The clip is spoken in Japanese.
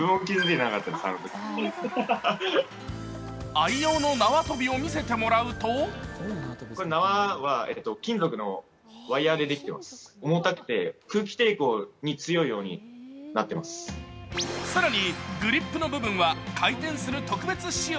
愛用の縄跳びを見せてもらうと更に、グリップの部分は回転する特別仕様。